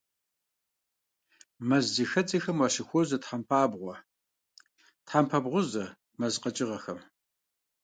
Мэззэхэдзэхэм уащыхуозэ тхьэмпабгъуэ, тхьэмпэ бгъузэ мэз къэкӀыгъэхэм.